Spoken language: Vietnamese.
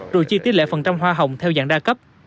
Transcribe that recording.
rồi chi tiết lệ phần trăm hoa hồng theo dạng đa cấp